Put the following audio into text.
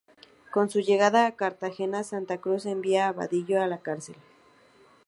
Con su llegada a Cartagena, Santa Cruz envía a Badillo a la cárcel.